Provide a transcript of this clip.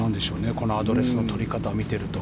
このアドレスの取り方を見ていると。